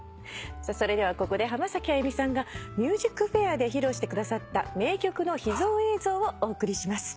それではここで浜崎あゆみさんが『ＭＵＳＩＣＦＡＩＲ』で披露してくださった名曲の秘蔵映像をお送りします。